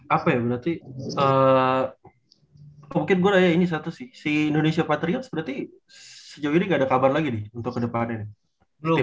apa ya berarti mungkin gue tanya ini satu sisi indonesia patriots berarti sejauh ini gak ada kabar lagi nih untuk kedepannya nih